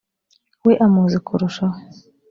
we amuzi kurushaho